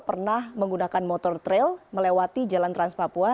pernah menggunakan motor trail melewati jalan trans papua